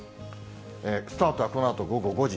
スタートはこのあと午後５時。